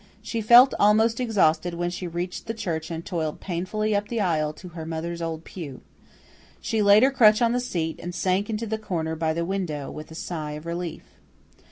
She felt almost exhausted when she reached the church and toiled painfully up the aisle to her mother's old pew. She laid her crutch on the seat, and sank into the corner by the window with a sigh of relief.